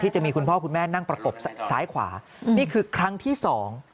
จะมีคุณพ่อคุณแม่นั่งประกบซ้ายขวานี่คือครั้งที่สอง